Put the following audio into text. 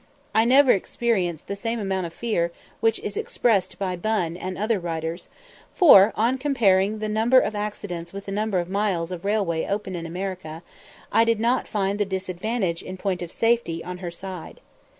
I never experienced the same amount of fear which is expressed by Bunn and other writers, for, on comparing the number of accidents with the number of miles of railway open in America, I did not find the disadvantage in point of safety on her side.